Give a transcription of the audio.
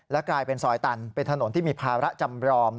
กลายเป็นซอยตันเป็นถนนที่มีภาระจำรอง